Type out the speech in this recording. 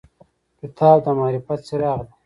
کتاب د معرفت څراغ دی.